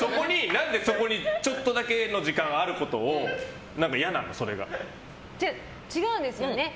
何で、そこにちょっとだけの時間があることが違うんですよね。